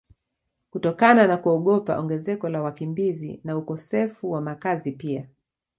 kutokana na kuogopa ongezeko la wakimbizi na ukosefu wa makazi pia